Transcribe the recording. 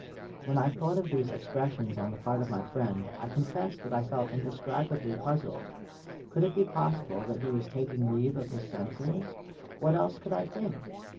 When I thought of these expressions on the part of my friend, I confess that I felt indescribably puzzled. Could it be possible that he was taking leave of his senses? What else could I think?